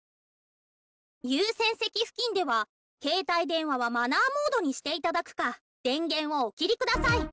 優先席付近では携帯電話はマナーモードにして頂くか電源をお切り下さい。